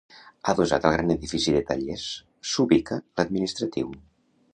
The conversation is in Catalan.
Adossat al gran edifici de tallers, s'ubica l'administratiu.